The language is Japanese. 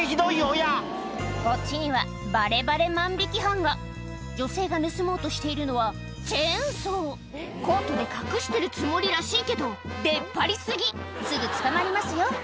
親こっちにはバレバレ万引犯が女性が盗もうとしているのはコートで隠してるつもりらしいけど出っ張り過ぎすぐ捕まりますよ